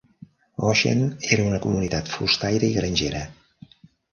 Goshen era una comunitat fustaire i grangera.